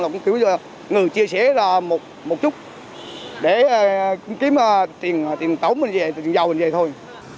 cũng cứ ngừng chia sẻ một chút để kiếm tiền tổng về tiền giàu về thôi